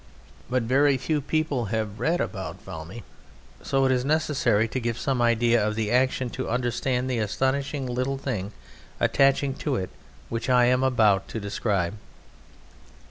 But very few people have read about Valmy, so it is necessary to give some idea of the action to understand the astonishing little thing attaching to it which I am about to describe.